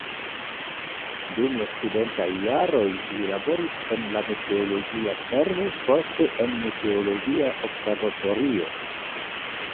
Dum la studentaj jaroj li laboris en la meteologia servo, poste en meteologia observatorio.